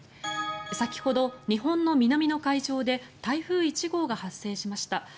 先ほど、日本の南の海上で台風１号が発生しました。